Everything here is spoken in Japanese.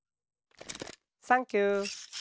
サンキュー。